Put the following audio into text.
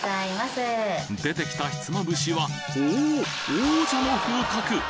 出てきたひつまぶしはおおっ王者の風格